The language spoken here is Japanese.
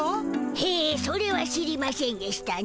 へえそれは知りましぇんでしたな。